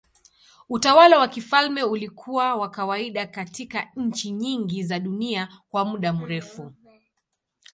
Utawala wa kifalme ulikuwa wa kawaida katika nchi nyingi za dunia kwa muda mrefu.